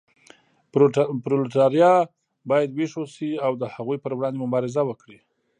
پرولتاریا باید ویښ اوسي او د هغوی پر وړاندې مبارزه وکړي.